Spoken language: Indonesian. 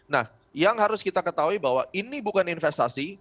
nah yang harus kita ketahui bahwa ini bukan investasi